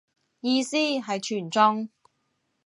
意思係全中